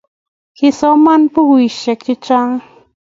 kiasoman bukuishe chechang